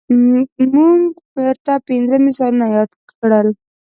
موږ پورته پنځه مثالونه یاد کړل.